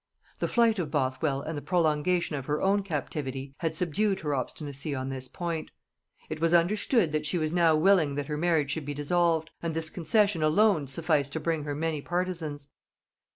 The flight of Bothwell and the prolongation of her own captivity had subdued her obstinacy on this point: it was understood that she was now willing that her marriage should be dissolved, and this concession alone sufficed to bring her many partisans.